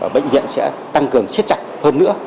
bệnh viện sẽ tăng cường siết chặt hơn nữa